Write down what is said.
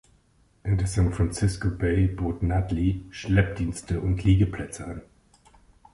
In der San Francisco Bay bot "Nadli" Schleppdienste und Liegeplätze an.